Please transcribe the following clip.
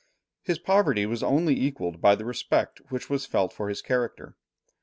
His poverty was only equalled by the respect which was felt for his character.